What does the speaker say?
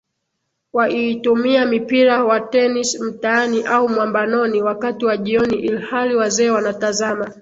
waiitumia mipira wa tennis mtaani au mwambanoni wakati wa jioni ilhali wazee wanatazama